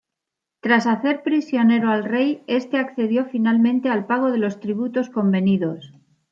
Tras hacer prisionero al rey, este accedió finalmente al pago de los tributos convenidos.